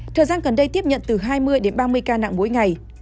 thời gian gần đây tiếp nhận từ hai mươi đến ba mươi ca nặng mỗi ngày